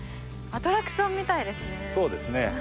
アトラクションみたいですね。